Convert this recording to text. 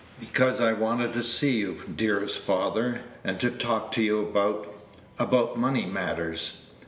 "Because I wanted to see you, dearest father, and to talk to you about about money matters."